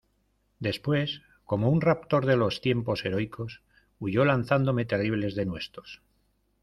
después, como un raptor de los tiempos heroicos , huyó lanzándome terribles denuestos.